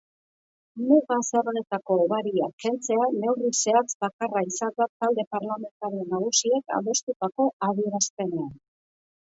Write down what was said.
Muga-zergetako hobariak kentzea neurri zehatz bakarra izan da talde parlamentario nagusiek adostutako adierazpenean.